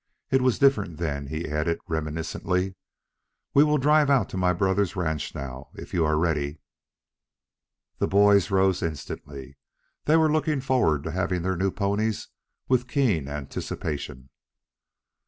It was different then," he added reminiscently. "We will drive out to my brother's ranch now, if you are ready." The boys rose instantly. They were looking forward to having their new ponies, with keen anticipation.